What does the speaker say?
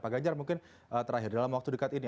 pak ganjar mungkin terakhir dalam waktu dekat ini